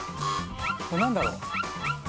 何だろう？